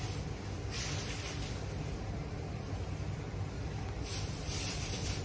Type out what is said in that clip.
สวัสดีครับ